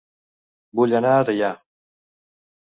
Vull anar a Teià